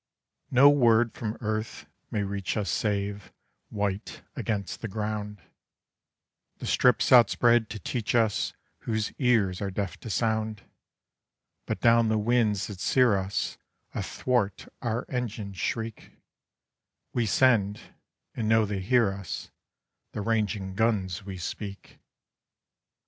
No word from earth may reach us save, white against the ground, The strips outspread to teach us whose ears are deaf to sound: But down the winds that sear us, athwart our engine's shriek, We send and know they hear us, the ranging guns we speak.